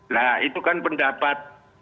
nah itu kan pendapat